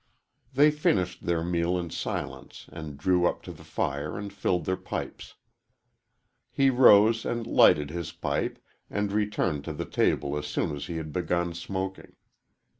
They finished their meal in silence and drew up to the fire and filled their pipes. He rose and lighted his pipe and returned to the table as soon as he had begun smoking.